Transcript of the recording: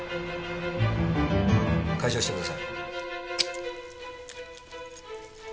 開錠してください。